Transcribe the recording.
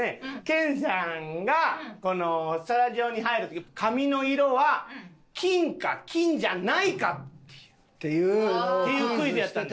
研さんがスタジオに入る時髪の色は金か金じゃないかっていうクイズ。